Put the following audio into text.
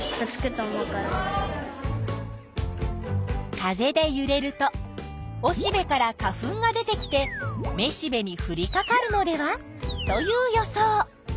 風でゆれるとおしべから花粉が出てきてめしべにふりかかるのではという予想。